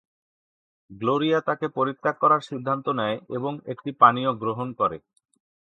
Gloria তাকে পরিত্যাগ করার সিদ্ধান্ত নেয় এবং একটি পানীয় গ্রহণ করে।